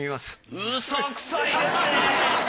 ウソくさいですね。